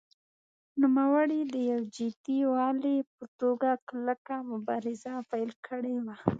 نوموړي د یو جدي والي په توګه کلکه مبارزه پیل کړې وه.